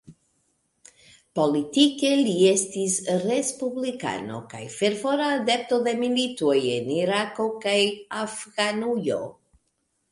Politike li estas respublikano kaj fervora adepto de militoj en Irako kaj Afganujo.